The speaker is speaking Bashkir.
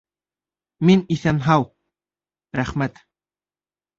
Мин иҫән-һау, рәхмәт.